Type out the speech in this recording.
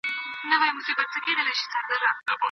ایا سهار به له ځان سره د دې پوښتنو ځواب راوړي؟